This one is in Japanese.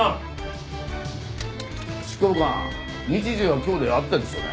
執行官日時は今日で合ってるんですよね？